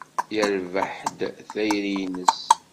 Yerbeḥ-d tayri-nnes.